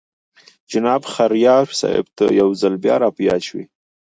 جناب حکمتیار صاحب ته یو ځل بیا را په یاد شوې.